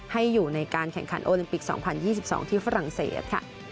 ให้อยู่ในการแข่งขันโอลิมปิก๒๐๒๒ที่ฝรั่งเศสค่ะ